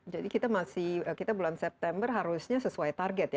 jadi kita masih kita bulan september harusnya sesuai target ya